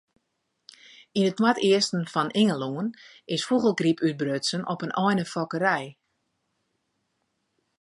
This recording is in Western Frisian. Yn it noardeasten fan Ingelân is fûgelgryp útbrutsen op in einefokkerij.